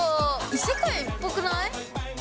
異世界っぽくない？